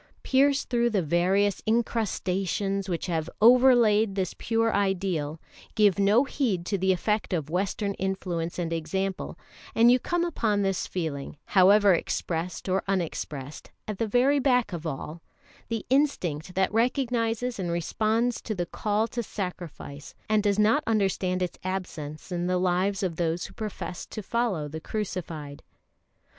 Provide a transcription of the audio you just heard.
Pierce through the various incrustations which have over laid this pure ideal, give no heed to the effect of Western influence and example, and you come upon this feeling, however expressed or unexpressed, at the very back of all the instinct that recognises and responds to the call to sacrifice, and does not understand its absence in the lives of those who profess to follow the Crucified.